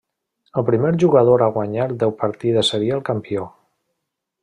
El primer jugador a guanyar deu partides seria el campió.